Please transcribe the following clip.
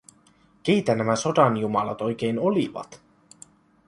Keitä nämä sodanjumalat oikein olivat?